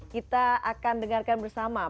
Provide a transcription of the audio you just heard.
kita akan dengarkan bersama